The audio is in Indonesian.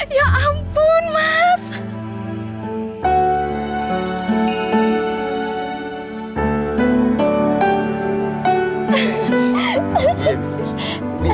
ya ampun mas